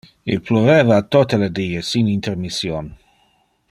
Il pluveva tote le die sin intermission.